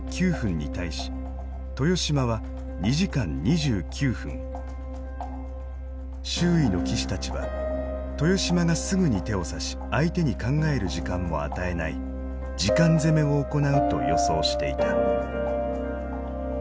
終盤周囲の棋士たちは豊島がすぐに手を指し相手に考える時間を与えない「時間攻め」を行うと予想していた。